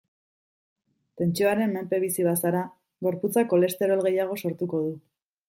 Tentsioaren menpe bizi bazara, gorputzak kolesterol gehiago sortuko du.